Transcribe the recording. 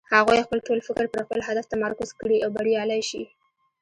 هغوی خپل ټول فکر پر خپل هدف متمرکز کړي او بريالی شي.